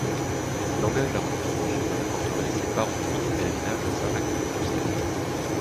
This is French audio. Il engage la reconstruction de la forteresse et part ensuite en pèlerinage à Saint-Jacques-de-Compostelle.